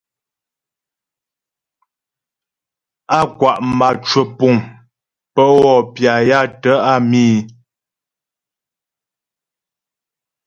Á kwa' mâ cwəpuŋ pə wɔ pya ya tə́ á mǐ̃.